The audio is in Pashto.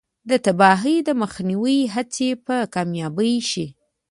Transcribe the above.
د تباهۍ د مخنیوي هڅې به کامیابې شي.